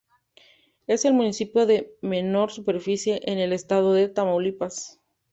Es el municipio de menor superficie en el estado de Tamaulipas.